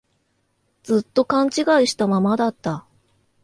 ずっと勘違いしたままだった